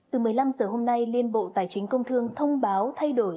từ một mươi năm giờ hôm nay liên bộ tài chính công thương thông báo thay đổi